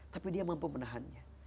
tapi dia mampu menahannya